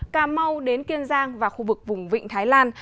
cà mau đến kiên giang và khu vực vùng vịnh thái lan